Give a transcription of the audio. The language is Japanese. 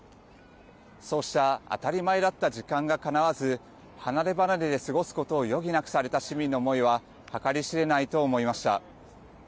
そうした当たり前だった時間がかなわず離れ離れで過ごすことを余儀なくされた市民の思いは計り知れないと思いました。